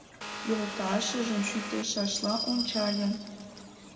Йолташыжым шӱтышашла ончале.